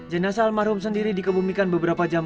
jenasa almarhum sendiri dikebumikan beberapa jam